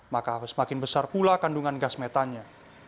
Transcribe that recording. maka semakin besar pula kandungan gas metannya